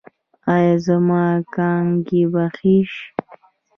ایا زما کانګې به ښې شي؟